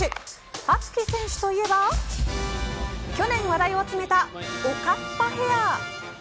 羽月選手といえば去年、話題を集めたおかっぱヘア。